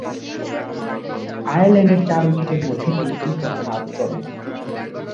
আয়ারল্যান্ডের চার উইকেটের মধ্যে তিনটিই তিনি লাভ করেন।